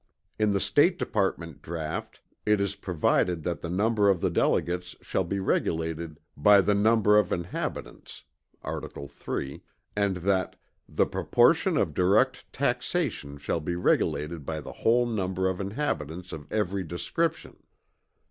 In the State Department draught it is provided that the number of the delegates shall be regulated "by the number of inhabitants" (Art. 3) and that "the proportion of direct taxation shall be regulated by the whole number of inhabitants of every description."